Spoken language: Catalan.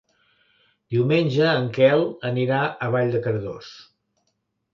Diumenge en Quel anirà a Vall de Cardós.